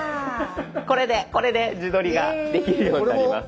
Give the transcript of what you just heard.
これで自撮りができるようになります。